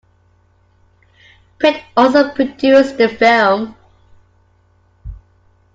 Pitt also produced the film.